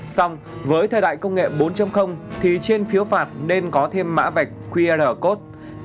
xong với thời đại công nghệ bốn thì trên phiếu phạt nên có thêm mã vạch qr code